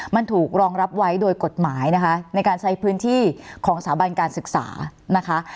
มันถูกรองรับไว้โดยกฎหมายนะคะในการใช้พื้นที่ของสถาบันการศึกษานะคะ